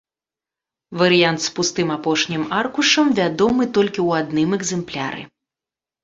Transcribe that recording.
Варыянт з пустым апошнім аркушам вядомы толькі ў адным экзэмпляры.